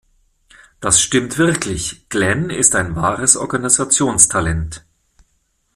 Das stimmt wirklich. Glenn ist ein wahres Organisationstalent.